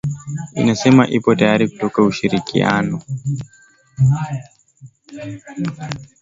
imesema ipo tayari kutoa ushirikiano